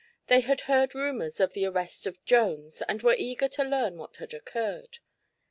They had heard rumors of the arrest of Jones and were eager to learn what had occurred.